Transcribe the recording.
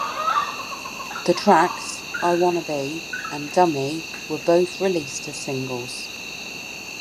The tracks "I Wanna Be" and "Dummy" were both released as singles.